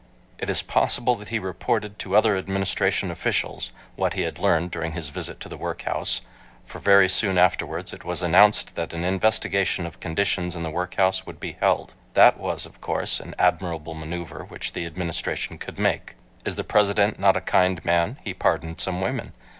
It is possible that he reported to other Administration officials what he had learned during his visit to the workhouse for very soon afterwards it was announced that an investigation of conditions in the workhouse would be held. That was, of course, an admirable maneuver which the Administration could make. "Is the President not a kind man? He pardoned some women.